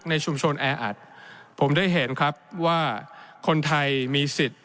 ในชุมชนแออัดผมได้เห็นครับว่าคนไทยมีสิทธิ์